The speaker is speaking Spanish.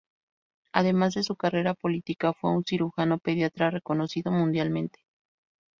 Además de su carrera política fue un cirujano pediatra reconocido mundialmente.